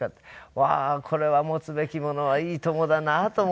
うわあこれは持つべきものはいい友だなと思いまして。